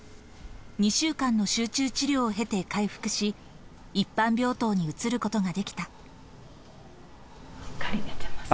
２週間の集中治療を経て回復し、一般病棟に移ることができた。